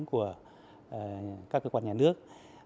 của các cơ quan nhà nước